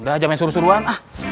udah jangan suruh suruhan